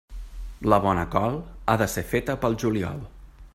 La bona col ha de ser feta pel juliol.